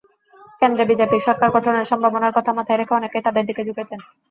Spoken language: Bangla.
কেন্দ্রে বিজেপির সরকার গঠনের সম্ভাবনার কথা মাথায় রেখে অনেকেই তাদের দিকে ঝুঁকেছেন।